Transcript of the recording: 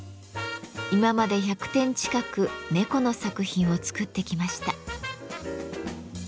今まで１００点近く猫の作品を作ってきました。